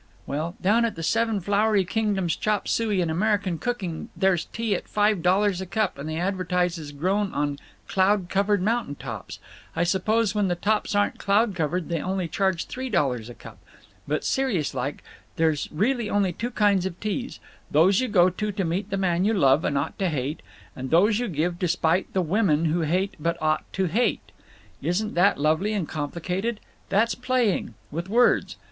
"Well, down at the Seven Flowery Kingdoms Chop Suey and American Cooking there's tea at five dollars a cup that they advertise is grown on 'cloud covered mountain tops.' I suppose when the tops aren't cloud covered they only charge three dollars a cup…. But, serious like, there's really only two kinds of teas—those you go to to meet the man you love and ought to hate, and those you give to spite the women you hate but ought to—hate! Isn't that lovely and complicated? That's playing. With words.